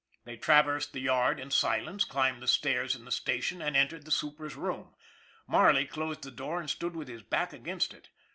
They traversed the yard in silence, climbed the stairs in the station, and entered the super's room. Marley closed the door and stood with his back against it.